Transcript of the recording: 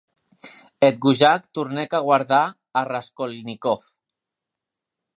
Eth gojat tornèc a guardar a Raskolnikov.